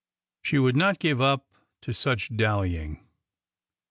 She would not give up to such dallying